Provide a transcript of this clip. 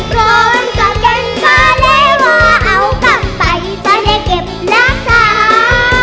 กลมก็เย็นป่าแล้วเอากลับไปจะได้เก็บรักษา